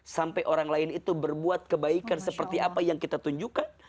sampai orang lain itu berbuat kebaikan seperti apa yang kita tunjukkan